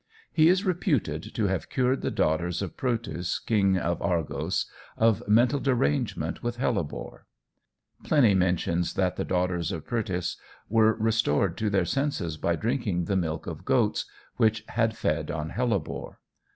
He is reputed to have cured the daughters of Proetus, King of Argos, of mental derangement with hellebore. Pliny mentions that the daughters of Proetus were restored to their senses by drinking the milk of goats which had fed on hellebore.